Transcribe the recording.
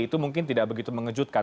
itu mungkin tidak begitu mengejutkan